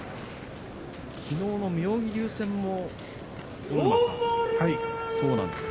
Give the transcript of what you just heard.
きのうの妙義龍戦も、尾車さん